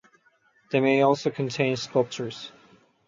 They may also contain sculptures.